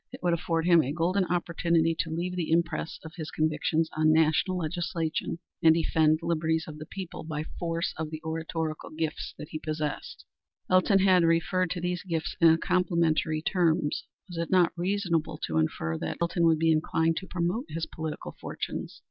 It would afford him a golden opportunity to leave the impress of his convictions on national legislation, and defend the liberties of the people by force of the oratorical gifts which he possessed. Elton had referred to these gifts in complimentary terms. Was it not reasonable to infer that Elton would be inclined to promote his political fortunes?